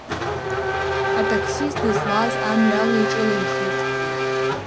Атаксист дызлааз амҩала иҿылеихеит.